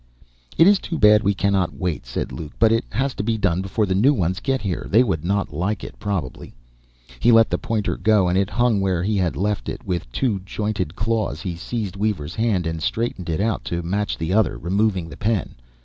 "It is too bad we cannot wait," said Luke, "but it has to be done before the new ones get here. They would not like it, probably." He let the pointer go, and it hung where he had left it. With two jointed claws he seized Weaver's hand and straightened it out to match the other, removing the pen.